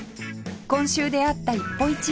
今週出会った一歩一会